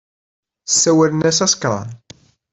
Ssawalen-as asekran.